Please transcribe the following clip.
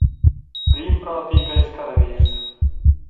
Br?vpr?t?gais karav?rs.